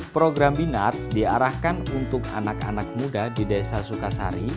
program binars diarahkan untuk anak anak muda di desa sukasari